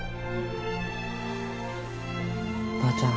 ばあちゃん